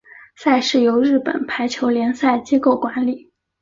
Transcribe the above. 赛事由日本排球联赛机构管理。